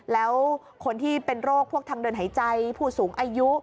แล้วคนที่เป็นโรคพวกทางเดินหายใจผู้สูงอายุ